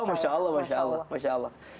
masya allah masya allah